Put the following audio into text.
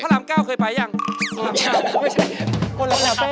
พระรามเก้าเคยไปหรือยัง